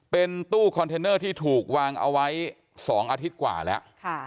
เป็นตู้คอนเทนเนอร์ที่ถูกวางเอาไว้๒อาทิตย์กว่าแล้ว